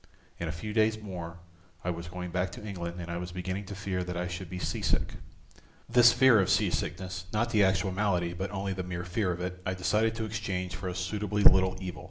In a few days more I was going back to England and I was beginning to fear that I should be sea sick: this fear of sea sickness, not the actual malady but only the mere fear of it, I decided to exchange for a suitably little evil.